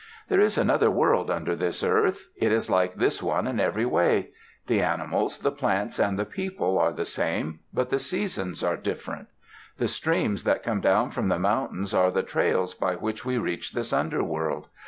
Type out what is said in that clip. There is another world under this earth. It is like this one in every way. The animals, the plants, and the people are the same, but the seasons are different. The streams that come down from the mountains are the trails by which we reach this underworld.